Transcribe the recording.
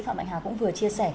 phạm bạch hà cũng vừa chia sẻ